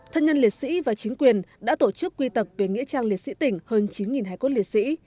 thân nhân liệt sĩ và chính quyền đã tổ chức quy tập về nghĩa trang liệt sĩ tỉnh hơn chín hài cốt liệt sĩ